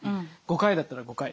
５回だったら５回。